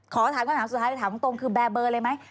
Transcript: ขอถามคำถามสุดท้ายถามตรงคือแบร์เบอร์เลยไหม